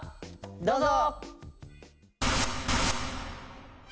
どうぞ！